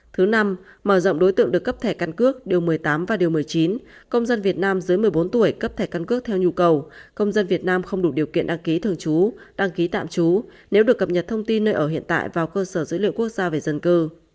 thứ năm mở rộng đối tượng được cấp thẻ căn cước điều một mươi tám và điều một mươi chín công dân việt nam dưới một mươi bốn tuổi cấp thẻ căn cước theo nhu cầu công dân việt nam không đủ điều kiện đăng ký thường trú đăng ký tạm trú